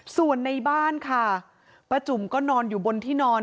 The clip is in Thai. ส่วนในบ้านค่ะป้าจุ่มก็นอนอยู่บนที่นอน